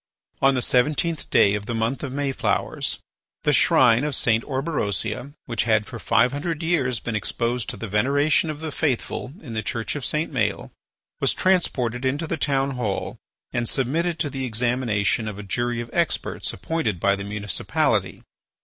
On the seventeenth day of the month of Mayflowers, the shrine of St. Orberosia, which had for five hundred years been exposed to the veneration of the faithful in the Church of St. Maël, was transported into the town hall and submitted to the examination of a jury of experts appointed by the municipality.